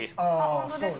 本当ですか？